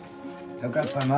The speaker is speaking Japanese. よかったな。